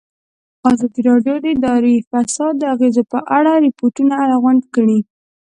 ازادي راډیو د اداري فساد د اغېزو په اړه ریپوټونه راغونډ کړي.